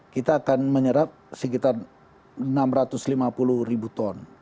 kita akan menyerap sekitar enam ratus lima puluh ribu ton